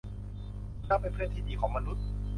สุนัขเป็นเพื่อนที่ดีของมนุษย์